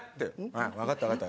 ああ分かった分かった。